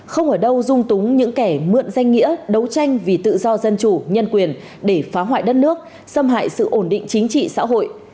không ở đâu dung túng những kẻ mượn danh nghĩa đấu tranh vì tự do dân chủ nhân quyền để phá hoại đất nước xâm hại sự ổn định chính trị xã hội